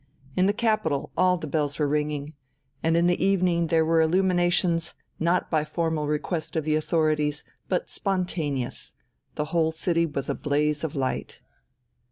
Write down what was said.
In the capital all the bells were ringing. And in the evening there were illuminations; not by formal request of the authorities, but spontaneous the whole city was a blaze of light.